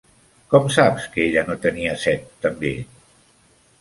Com saps que ella no tenia set també?